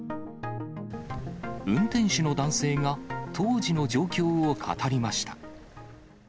運転手の男性が当時の状況を語りました。